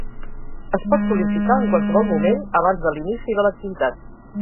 Es pot sol·licitar en qualsevol moment abans de l'inici de l'activitat.